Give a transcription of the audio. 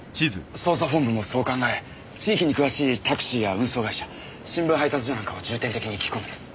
捜査本部もそう考え地域に詳しいタクシーや運送会社新聞配達所なんかを重点的に聞き込んでいます。